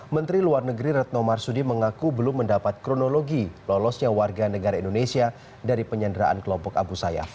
menteri luar negeri retno marsudi mengaku belum mendapat kronologi lolosnya warga negara indonesia dari penyanderaan kelompok abu sayyaf